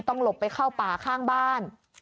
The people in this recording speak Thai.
หลบไปเข้าป่าข้างบ้าน